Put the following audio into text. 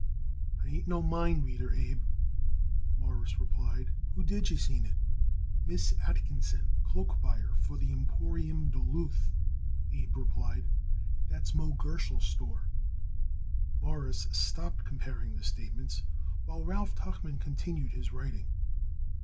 "I ain't no mind reader, Abe," Morris replied. "Who did you seen it?" "Miss Atkinson, cloak buyer for the Emporium, Duluth," Abe replied. "That's Moe Gerschel's store." Morris stopped comparing the statements, while Ralph Tuchman continued his writing.